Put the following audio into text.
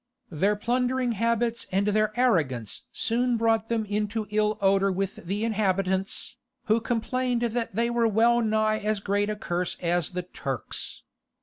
Their plundering habits and their arrogance soon brought them into ill odour with the inhabitants, who complained that they were well nigh as great a curse as the Turks.